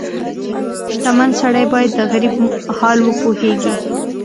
• شتمن سړی باید د غریب حال وپوهيږي.